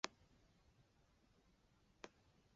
惠特曾代表英格兰所有年龄级别的青少队出赛。